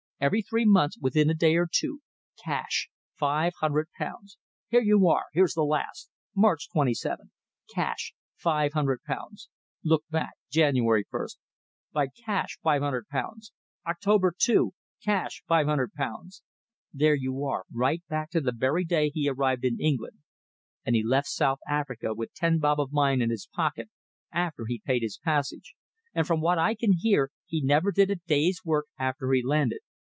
"Every three months, within a day or two, cash five hundred pounds. Here you are. Here's the last: March 27 cash, £500! Look back! January 1 By cash £500! October 2 cash, £500! There you are, right back to the very day he arrived in England. And he left South Africa with ten bob of mine in his pocket, after he'd paid his passage! and from what I can hear, he never did a day's work after he landed.